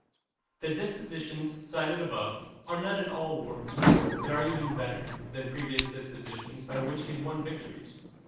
The dispositions cited above are not at all worse, but are even better, than previous dispositions by which he had won victories.